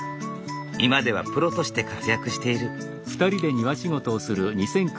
今ではプロとして活躍している。